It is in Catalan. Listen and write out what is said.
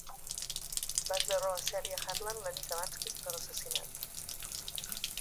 Vas veure la Celia Harland la nit abans de l'assassinat.